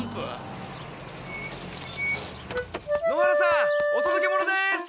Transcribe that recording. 野原さんお届け物です！